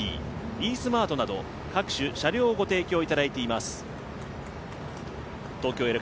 ｅスマートなど各種車両をご提供していただいています。